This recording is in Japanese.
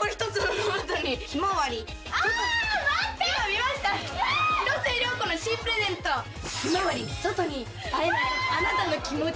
「広末涼子の新プレゼントひまわり外に会えないあなたの気持ち」